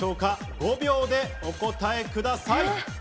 ５秒でお答えください。